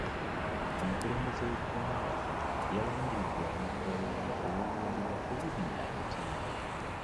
Omukulembeze we ggwanga yalangiridde omuggalo olw'obulwadde bwa covid nineteen.